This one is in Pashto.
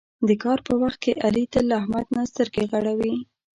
د کار په وخت کې علي تل له احمد نه سترګې غړوي.